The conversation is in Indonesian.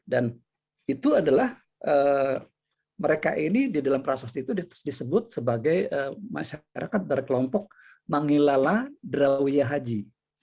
dan itu adalah mereka ini di dalam prasasti itu disebut sebagai masyarakat dari kelompok mangilala drawiahaji